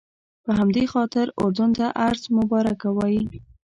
په همدې خاطر اردن ته ارض مبارکه وایي.